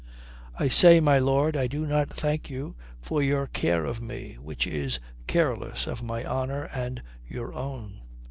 "I say, my lord, I do not thank you for your care of me, which is careless of my honour and your own.